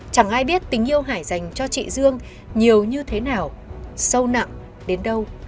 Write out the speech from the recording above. chẳng ai biết tình yêu hải dành cho chị dương nhiều như thế nào sâu nặng đến đâu